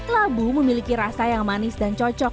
labu memiliki rasa yang manis dan cocok